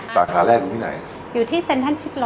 สาขาแรกอยู่ที่ไหน